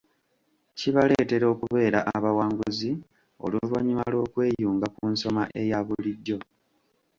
Kibaleetera okubeera abawanguzi oluvannyuma lw’okweyunga ku nsoma eya bulijjo.